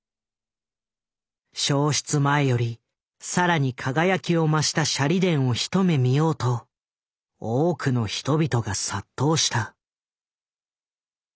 焼失前より更に輝きを増した舎利殿を一目見ようと多くの人々が殺到した。